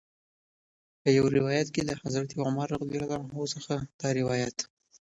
په یو روایت کې د حضرت عمر رض څخه دا روایت